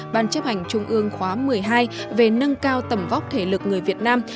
ban chấp hành trung ương khóa một mươi hai về nâng cao tầm vóc thể lực người việt nam